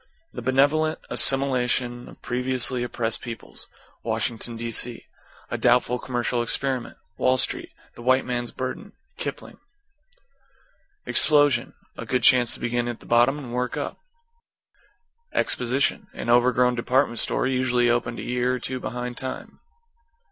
The benevolent assimilation of previously oppressed peoples Washington, D.C. A doubtful commercial experiment. Wall Street. The white man's burden. Kipling. =EXPLOSION= A good chance to begin at the bottom and work up. =EXPOSITION= An overgrown Department Store, usually opened a year or two behind time.